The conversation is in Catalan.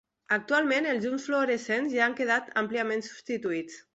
Actualment, els llums fluorescents ja han quedat àmpliament substituïts